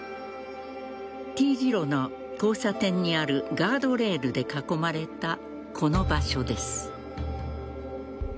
丁字路の交差点にあるガードレールで囲まれたこの場所です。